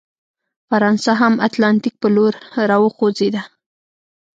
فرانسه هم اتلانتیک په لور راوخوځېده.